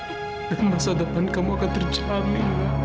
dan masa depan kamu akan terjamin